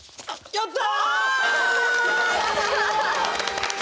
やった！